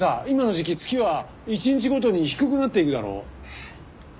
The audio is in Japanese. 今の時期月は１日ごとに低くなっていくだろ？